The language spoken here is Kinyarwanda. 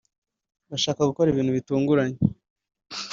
”ndashaka gukora ibintu bitunguranye